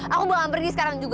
aku belum pergi sekarang juga